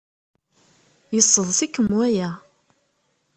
Yesseḍs-ikem waya?